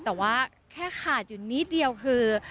แต่ว่าแค่ขาดอยู่นิดเดียวคือ